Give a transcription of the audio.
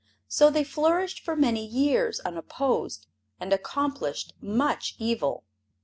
So they flourished for many years unopposed and accomplished much evil.